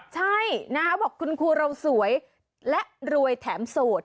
ใช่นะคะบอกคุณครูเราสวยและรวยแถมโสด